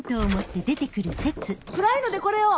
暗いのでこれを！